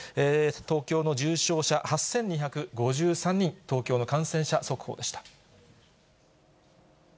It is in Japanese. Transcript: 東京の重症者、８２５３人、東京の感染者速報でした。